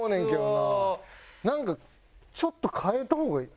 なんかちょっと変えた方がいいのかな？